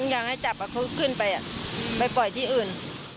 อยากให้จับเขาขึ้นไปไปปล่อยที่อื่น